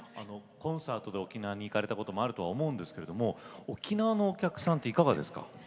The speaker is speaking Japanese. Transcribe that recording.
コンサートで沖縄に行かれたこともあると思うんですけども沖縄のお客さんっていかがですか？